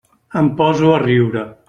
Em poso a riure.